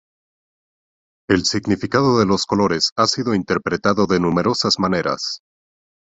El significado de los colores ha sido interpretado de numerosas maneras.